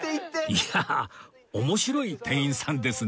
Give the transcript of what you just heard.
いや面白い店員さんですね